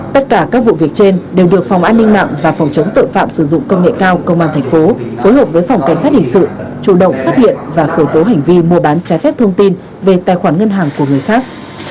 tất cả các vụ việc trên đều được phòng an ninh mạng và phòng chống tội phạm sử dụng công nghệ cao công an thành phố phối hợp với phòng cảnh sát hình sự chủ động phát hiện và khởi tố hành vi mua bán trái phép thông tin về tài khoản ngân hàng của người khác